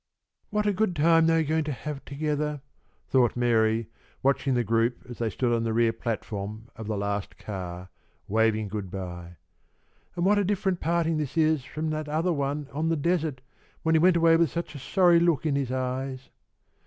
"What a good time they are going to have together," thought Mary, watching the group as they stood on the rear platform of the last car, waving good by. "And what a different parting this is from that other one on the desert when he went away with such a sorry look in his eyes."